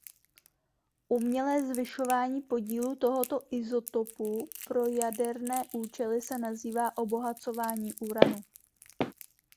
Umělé zvyšování podílu tohoto izotopu pro jaderné účely se nazývá obohacování uranu.